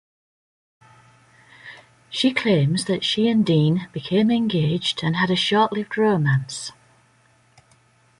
She claims that she and Dean became engaged and had a short-lived romance.